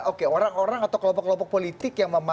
oke orang orang atau kelompok kelompok politik yang memanfaatkan